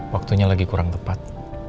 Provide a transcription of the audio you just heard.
waktunya lagi kurang tepat